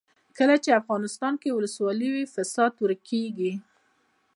کله چې افغانستان کې ولسواکي وي فساد ورک کیږي.